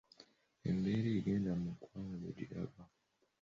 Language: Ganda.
Embeera egenda mu ggwanga ogiraba?